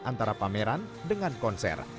antara pameran dengan konser